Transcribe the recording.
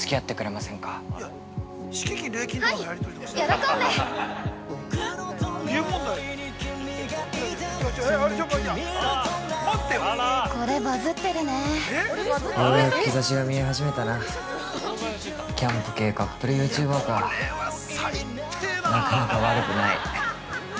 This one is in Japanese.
なかなか悪くない。